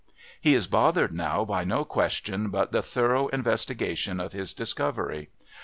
He is bothered now by no question but the thorough investigation of his discovery.